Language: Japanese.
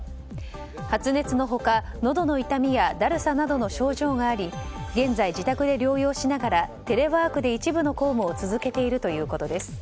発熱の他、のどの痛みやだるさなどの症状があり現在、自宅で療養しながらテレワークで一部の公務を続けているということです。